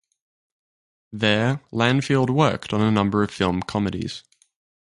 There Lanfield worked on a number of film comedies.